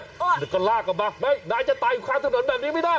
นายก็ลากกับมานายจะตายข้างถนนแบบนี้ไม่ได้